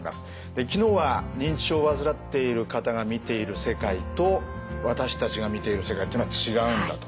昨日は認知症を患っている方が見ている世界と私たちが見ている世界っていうのは違うんだと。